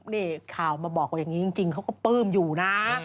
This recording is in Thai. นี่ข่าวมาบอกว่าอย่างนี้จริงเขาก็ปลื้มอยู่นะ